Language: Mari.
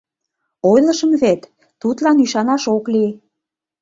Ойлышым вет, тудлан ӱшанаш ок лий.